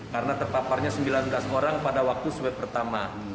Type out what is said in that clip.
karena terpaparnya sembilan belas orang pada waktu swab pertama